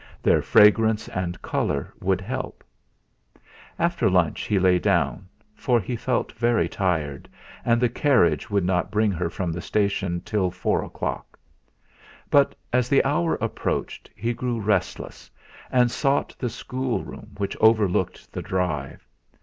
Their fragrance and colour would help. After lunch he lay down, for he felt very tired, and the carriage would not bring her from the station till four o'clock. But as the hour approached he grew restless, and sought the schoolroom, which overlooked the drive.